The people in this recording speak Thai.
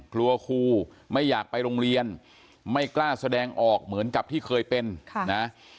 ครูไม่อยากไปโรงเรียนไม่กล้าแสดงออกเหมือนกับที่เคยเป็นนะ